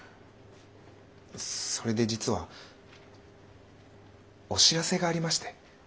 それで実はお知らせがありまして。